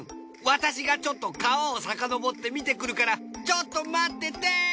私がちょっと川をさかのぼって見てくるからちょっと待ってて！